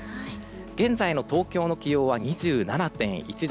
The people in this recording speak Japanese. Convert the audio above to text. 現在の東京の気温は２７．１度。